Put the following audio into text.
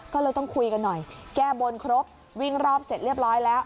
ก็เลยต้องคุยกันหน่อยแก้บนครบวิ่งรอบเสร็จเรียบร้อยแล้ว